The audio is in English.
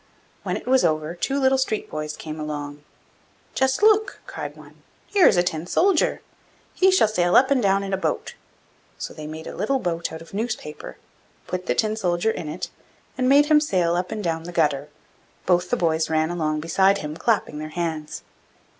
When it was over, two little street boys came along. 'Just look!' cried one. 'Here is a Tin soldier! He shall sail up and down in a boat!' So they made a little boat out of newspaper, put the Tin soldier in it, and made him sail up and down the gutter; both the boys ran along beside him, clapping their hands.